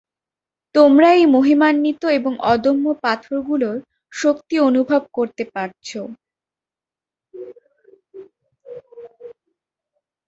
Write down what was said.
তোমরা এই মহিমান্বিত এবং অদম্য, পাথরগুলোর শক্তি অনুভব করতে পারছ।